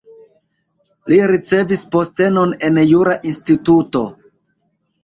Li ricevis postenon en jura instituto.